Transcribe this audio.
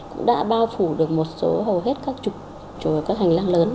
cũng đã bao phủ được một số hầu hết các trục các hành lang lớn